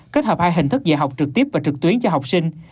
kết hợp hai hình thức dạy học trực tiếp và trực tuyến cho học sinh